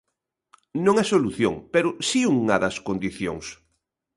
Non a solución, pero si unha das condicións.